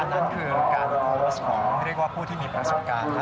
นั่นคือการโพสต์ของเรียกว่าผู้ที่มีประสบการณ์